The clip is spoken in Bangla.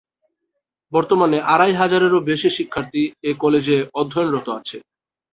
বর্তমানে আড়াই হাজারেরও বেশি শিক্ষার্থী এ কলেজে অধ্যয়নরত আছে।